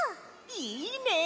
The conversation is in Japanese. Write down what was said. いいねえ！